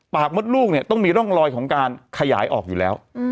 มดลูกเนี่ยต้องมีร่องรอยของการขยายออกอยู่แล้ว